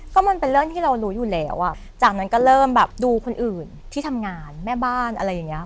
ก็มันเป็นเรื่องที่เรารู้อยู่แล้วอ่ะจากนั้นก็เริ่มแบบดูคนอื่นที่ทำงานแม่บ้านอะไรอย่างนี้